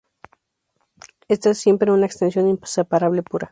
Esta es siempre una extensión inseparable pura.